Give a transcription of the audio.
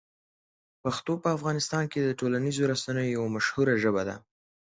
پښتو په افغانستان کې د ټولنیزو رسنیو یوه مشهوره ژبه ده.